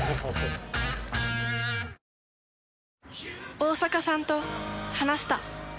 大坂さんと話した。